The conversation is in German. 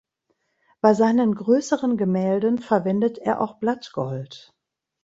Bei seinen größeren Gemälden verwendet er auch Blattgold.